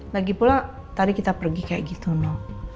lagipula tadi kita pergi kayak gitu no